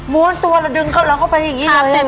ม้วนตัวแล้วดึงเข้าไปอย่างนี้เลยเหรอ